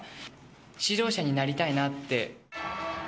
指導者になりたいなって。